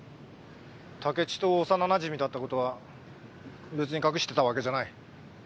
竹地と幼なじみだった事は別に隠してたわけじゃない。